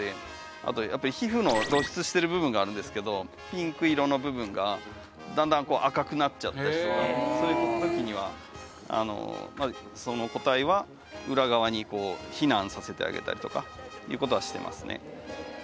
あとやっぱり皮膚の露出してる部分があるんですけどピンク色の部分がだんだんこう赤くなっちゃったりとかそういう時にはその個体は裏側に避難させてあげたりとかいう事はしてますね。